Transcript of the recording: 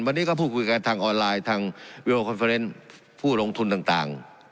วันนี้ก็พูดคุยกันทางออนไลน์ทางผู้ลงทุนต่างต่าง